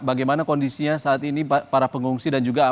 bagaimana kondisinya saat ini para pengungsi dan juga